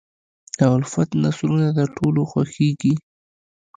د الفت نثرونه د ټولو خوښېږي.